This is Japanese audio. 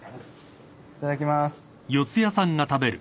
いただきまーす。